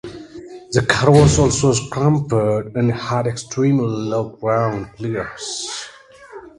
The car was also cramped and had extremely low ground clearance.